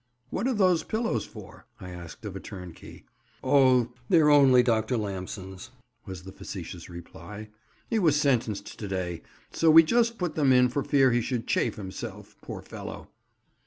"What are those pillows for?" I asked of a turnkey. "Oh, they're only Dr. Lamson's," was the facetious reply; "he was sentenced to day, so we just put them in for fear he should chafe himself, poor fellow."